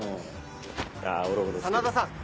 真田さん